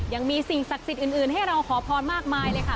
ยังมีสิ่งศักดิ์สิทธิ์อื่นให้เราขอพรมากมายเลยค่ะ